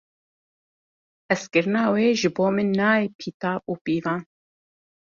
Hezkirina wê ji bo min nayê pîtav û pîvan.